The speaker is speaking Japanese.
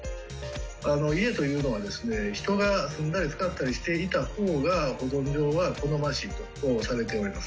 家というのはですね、人が住んだり使ったりしていたほうが、保存上は好ましいとされております。